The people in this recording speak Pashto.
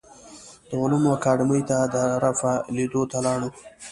د علومو اکاډیمۍ ته د رفیع لیدو ته لاړو.